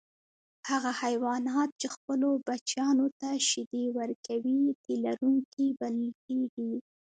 هغه حیوانات چې خپلو بچیانو ته شیدې ورکوي تی لرونکي بلل کیږي